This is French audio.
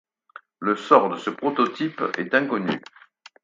Le sort de ce prototype est inconnu.